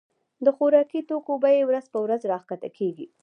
د خوراکي توکو بيي ورځ په ورځ را کښته کيږي.